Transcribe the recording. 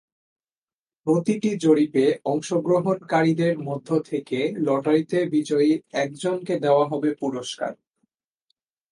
প্রতিটি জরিপে অংশগ্রহণকারীদের মধ্য থেকে লটারিতে বিজয়ী একজনকে দেওয়া হবে পুরস্কার।